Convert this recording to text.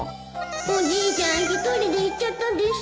おじいちゃん１人で行っちゃったです